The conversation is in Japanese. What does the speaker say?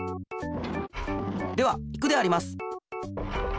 ではいくであります。